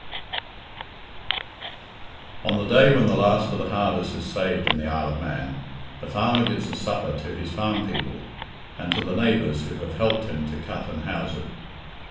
XX. On the day when the last of the harvest is saved in the Isle of Man, the farmer gives a supper to his farm people, and to the neighbours who have helped him to cut and house it.